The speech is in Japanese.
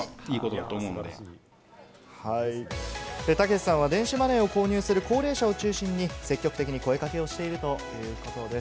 剛さんは電子マネーを購入する高齢者を中心に積極的に声かけをしているということです。